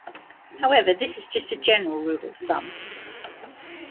However, this is just a general rule of thumb.